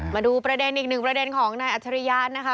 มาดูประเด็นอีกหนึ่งประเด็นของนายอัจฉริยะนะคะ